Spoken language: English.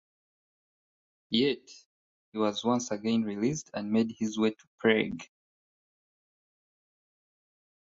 Yet, he was once again released and made his way to Prague.